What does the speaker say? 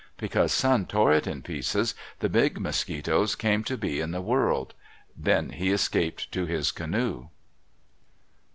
Because Sun tore it in pieces, the big mosquitoes came to be in the world. Then he escaped to his canoe.